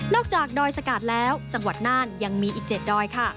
จากดอยสกาดแล้วจังหวัดน่านยังมีอีก๗ดอยค่ะ